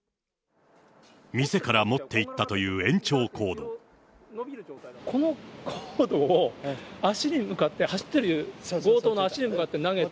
店から持っていったという延このコードを、足に向かって、走ってる強盗の足に向かって投げて。